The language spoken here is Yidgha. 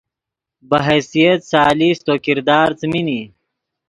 بہ حیثیت ثالث تو کردار څیمین ای